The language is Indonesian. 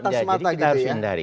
jadi kita harus hindari